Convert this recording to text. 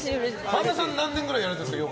萬田さん何年ぐらいやられてたんですか？